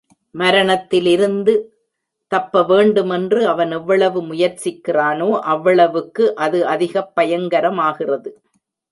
மரணத்திலிருந்து தப்பவேண்டு மென்று அவன் எவ்வளவு முயற்சிக்கிறானோ, அவ்வளவுக்கு அது அதிகப் பயங்கரமாகிறது.